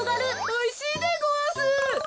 おいしいでごわす。